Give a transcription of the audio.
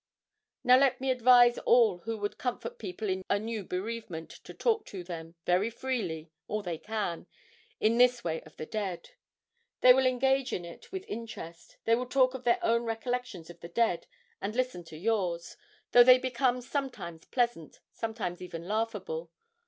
Now let me advise all who would comfort people in a new bereavement to talk to them, very freely, all they can, in this way of the dead. They will engage in it with interest, they will talk of their own recollections of the dead, and listen to yours, though they become sometimes pleasant, sometimes even laughable.